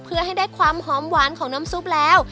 เพื่อให้ได้ความหอมหวานของน้ำซุปแล้ว